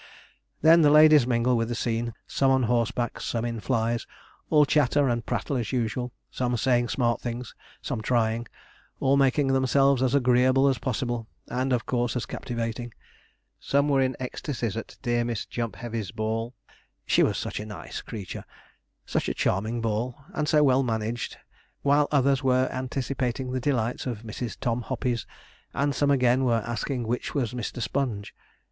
Then the ladies mingle with the scene, some on horseback, some in flys, all chatter and prattle as usual, some saying smart things, some trying, all making themselves as agreeable as possible, and of course as captivating. Some were in ecstasies at dear Miss Jumpheavy's ball she was such a nice creature such a charming ball, and so well managed, while others were anticipating the delights of Mrs. Tom Hoppey's, and some again were asking which was Mr. Sponge.